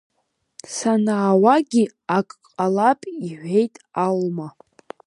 Санаауагьы ак ҟалап, – иҳәеит Алма.